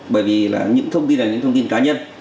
bởi vì những thông tin là những thông tin cá nhân